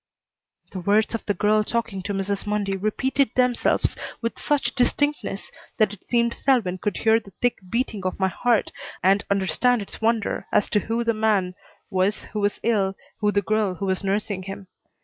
The words of the girl talking to Mrs. Mundy repeated themselves with such distinctness that it seemed Selwyn would hear the thick beating of my heart and understand its wonder as to who the man was who was ill, who the girl who was nursing him.